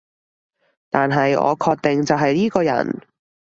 但係我確定就係依個人